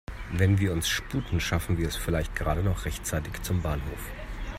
Wenn wir uns sputen, schaffen wir es vielleicht gerade noch rechtzeitig zum Bahnhof.